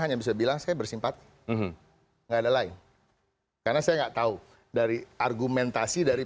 hanya bisa bilang saya bersimpati enggak ada lain karena saya enggak tahu dari argumentasi dari